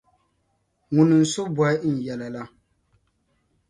Ŋuni n-so bohi n yɛla la?